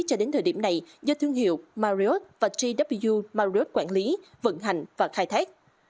cho đến thời điểm này do thương hiệu marriott và gw marriott quản lý vận hành và khai thác